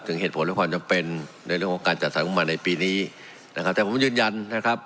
ถึงเหตุผลและความจำเป็นในเรื่องของการจัดสรรงบประมาณในปีนี้นะครับแต่ผมยืนยันนะครับ